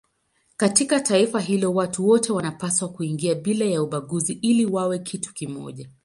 Katika taifa hilo watu wote wanapaswa kuingia bila ya ubaguzi ili wawe kitu kimoja.